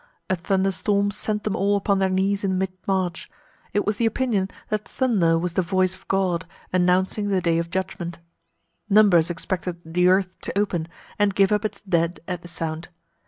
A thunder storm sent them all upon their knees in mid march. It was the opinion that thunder was the voice of God, announcing the day of judgment. Numbers expected the earth to open, and give up its dead at the sound.